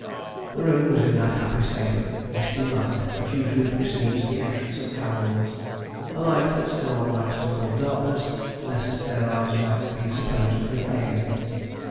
The room was in that happy state of misty light that usually precedes the entrance of candles a light that no one likes to call darkness, lest their eyes might be supposed to be failing.